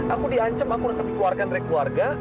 aku di ancem aku gak akan dikeluarkan dari keluarga